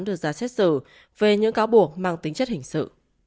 đưa ra xét xử về những cáo buộc mang tính chất hình sự